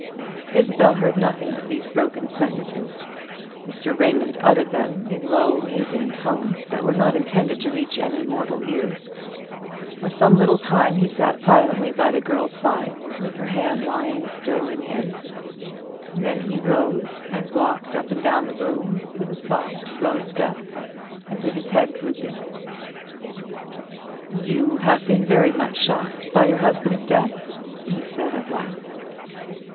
Isabel heard nothing of these broken sentences. Mr. Raymond uttered them in low musing tones, that were not intended to reach any mortal ears. For some little time he sat silently by the girl's side, with her hand still lying in his; then he rose and walked up and down the room with a soft slow step, and with his head drooping. "You have been very much shocked by your husband's death?" he said at last.